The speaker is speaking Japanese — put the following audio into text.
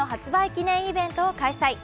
記念イベントを開催。